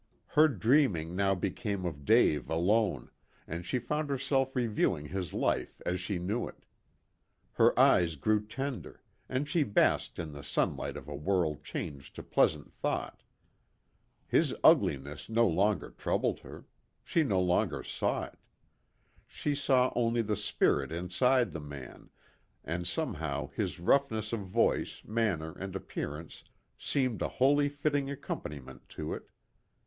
Her dreaming now became of Dave alone, and she found herself reviewing his life as she knew it. Her eyes grew tender, and she basked in the sunlight of a world changed to pleasant thought. His ugliness no longer troubled her she no longer saw it. She saw only the spirit inside the man, and somehow his roughnesses of voice, manner and appearance seemed a wholly fitting accompaniment to it.